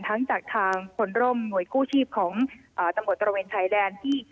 ทั้งจากทางคนร่มหน่วยกู้ชีพของตำรวจตระเวนชายแดนที่